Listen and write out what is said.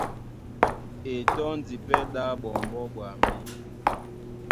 E tɔ́ndi pɛ́ ɗá ɓɔmbɔ́ ɓwambí.